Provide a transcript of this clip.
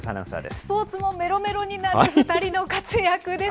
スポーツもメロメロになる２人の活躍です。